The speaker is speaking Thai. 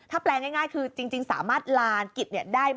แปลง่ายคือจริงสามารถลากิจได้